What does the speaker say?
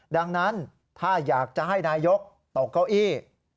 ดังนั้นถ้าอยากจะให้นายกตกเก้าอี้